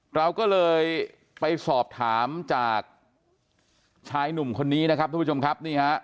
เราก็เลยไปสอบถามจากชายหนุ่มคนนี้นะครับทุกผู้ชมครับนี่ฮะ